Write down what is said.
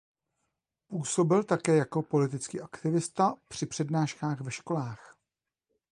Působil také jako politický aktivista při přednáškách ve školách.